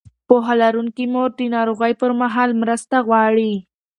پوهه لرونکې مور د ناروغۍ پر مهال مرسته غواړي.